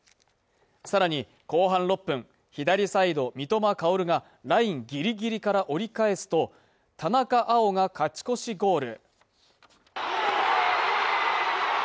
さらに後半６分左サイド三笘薫がラインぎりぎりから折り返すと田中碧が勝ち越しゴール